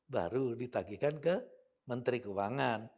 baru ditagihkan ke menteri keuangan